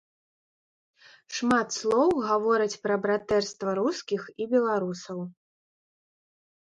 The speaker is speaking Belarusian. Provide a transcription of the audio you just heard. Шмат слоў гавораць пра братэрства рускіх і беларусаў.